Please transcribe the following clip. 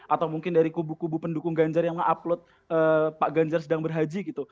atau mungkin dari kubu kubu pendukung ganjar yang mengupload pak ganjar sedang berhaji gitu